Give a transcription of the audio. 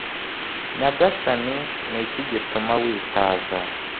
Nyagasani ni iki gituma witaza